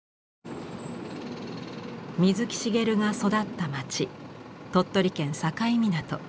水木しげるが育った町鳥取県境港。